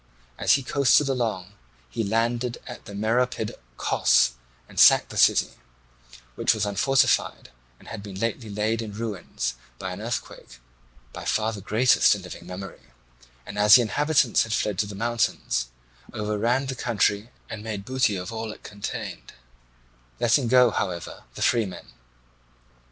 As he coasted along he landed at the Meropid Cos and sacked the city, which was unfortified and had been lately laid in ruins by an earthquake, by far the greatest in living memory, and, as the inhabitants had fled to the mountains, overran the country and made booty of all it contained, letting go, however, the free men.